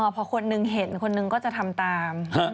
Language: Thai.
พอคนหนึ่งเห็นคนนึงก็จะทำตาม